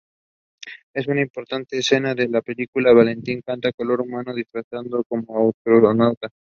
En una importante escena de la película Valentín canta "Color humano" disfrazado como astronauta.